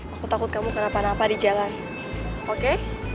aku takut kamu kena panah apa di jalan oke